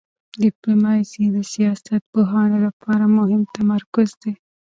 ډیپلوماسي د سیاست پوهانو لپاره مهم تمرکز دی.